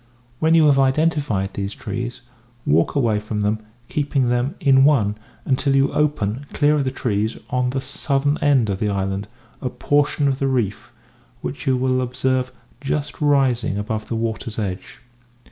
When you have identified these trees, walk away from them, keeping them in one, until you open, clear of the trees on the southern end of the island, a portion of the reef which you will observe just rising above the water's edge.